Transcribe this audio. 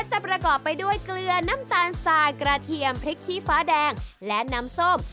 ประกอบไปด้วยเกลือน้ำตาลสายกระเทียมพริกชี้ฟ้าแดงและน้ำส้ม